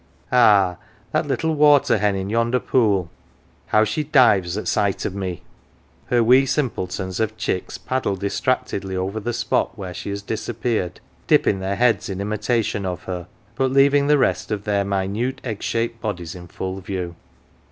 Ah ! that little water hen in yonder pool, how she dives at sight of me ! Her wee simpletons of chicks paddle distractedly over the spot where she has disappeared, dipping their heads in imitation of her, but leaving the rest of their minute 175 ON THE OTHER SIDE egg shaped bodies in full view.